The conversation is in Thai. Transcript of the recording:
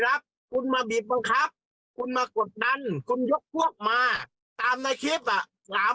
ครับคุณมาบีบบังคับคุณมากดดันคุณยกพวกมาตามในคลิปอ่ะถาม